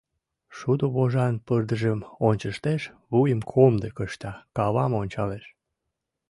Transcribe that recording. Шудо вожан пырдыжым ончыштеш, вуйым комдык ышта, кавам ончалеш.